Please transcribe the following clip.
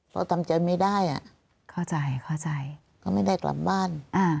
เพราะตำรวจไม่ได้เข้าใจก็ไม่ได้กลับบ้าน